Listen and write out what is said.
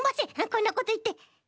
こんなこといって。